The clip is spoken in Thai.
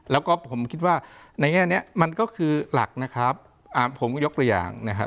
แล้วก็ผมคิดว่าในแง่นี้มันก็คือหลักนะครับผมก็ยกตัวอย่างนะครับ